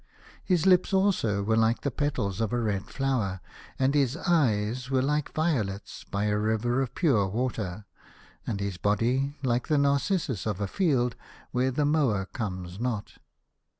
His lips, also, were like the petals of a red flower, and his eyes were like violets by a river of pure water, and his body like the narcissus of a field where the mower comes not.